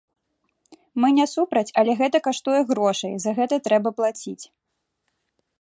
Мы не супраць, але гэта каштуе грошай, за гэта трэба плаціць.